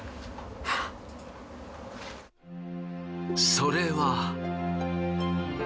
それは。